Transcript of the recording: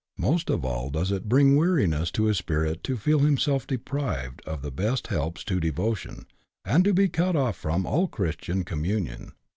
Most of all does it bring weariness to his spirit to feel him self deprived of the best helps to devotion, and to be cut off from all Christian communion.